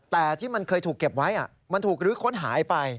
แต่ที่มันเคยถูกเก็บไว้มันถูกลื้อค้นหาไป